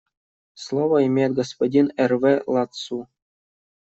Слово имеет господин Эрве Ладсу.